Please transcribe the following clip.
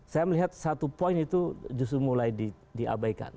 saya melihat satu poin itu justru mulai diabaikan